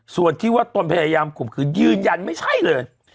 ส่วนที่ว่าตนพยายามข่มขืนยืนยันไม่ใช่เลย